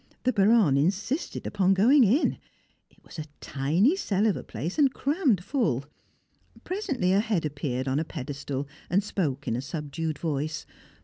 The Baronne insisted upon going in. It was a tiny cell of a place and crammed full. Presently a head appeared on a pedestal and spoke in a subdued voice.